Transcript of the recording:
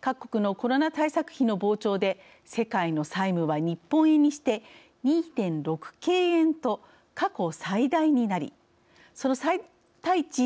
各国のコロナ対策費の膨張で世界の債務は日本円にして２．６京円と過去最大になりその対